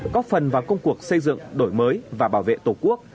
góp phần vào công cuộc xây dựng đổi mới và bảo vệ tổ quốc